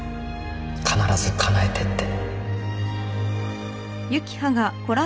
「必ず叶えて！」って